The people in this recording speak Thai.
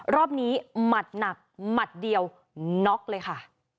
รอบนี้หมัดหนักหมัดเดียวน็อกเลยค่ะ